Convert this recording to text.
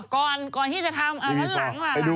ก่อนที่จะทำอันหลังล่ะ